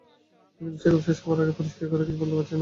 কিন্তু বিশ্বকাপ শেষ হওয়ার আগে পরিষ্কার করে কিছু বলতে পারছি না।